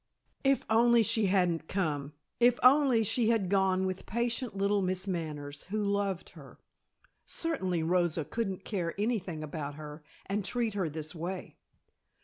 If only she hadn't come! If only she had gone with patient little Miss Manners, who loved her. Certainly Rosa couldn't care anything about her and treat her this way.